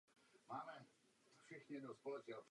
Zemětřesení zasáhlo také okolní regiony.